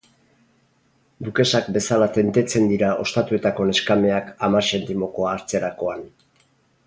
Dukesak bezala tentetzen dira ostatuetako neskameak hamar xentimokoa hartzerakoan.